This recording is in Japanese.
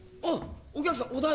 お客さんお代。